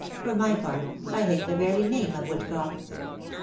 " For my part, I hate the very name of woodcock."